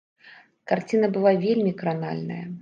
Карціна была вельмі кранальная.